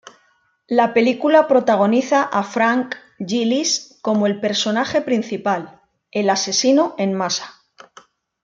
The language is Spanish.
La película protagoniza a Frank Gillis como el personaje principal, el Asesino en Masa.